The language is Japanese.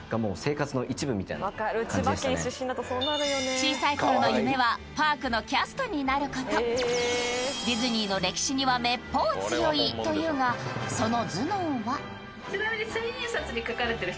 小さいころの夢はパークのキャストになることディズニーの歴史にはめっぽう強いというがその頭脳は千円札に描かれてる人